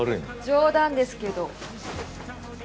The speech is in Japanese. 冗談ですけど。